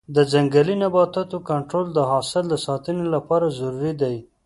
د ځنګلي نباتاتو کنټرول د حاصل د ساتنې لپاره ضروري دی.